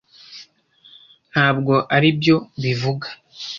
Ntabwo aribyo bivuga.